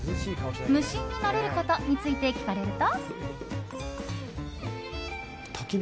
無心になれることについて聞かれると。